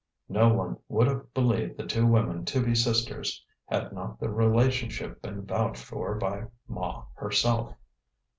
No one would have believed the two women to be sisters had not the relationship been vouched for by Ma herself.